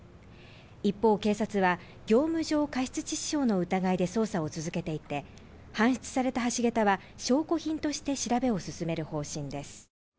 一方、警察は業務上過失致死傷の疑いで捜査を続けていて、搬出された橋桁は証拠品として調べを進める方針です。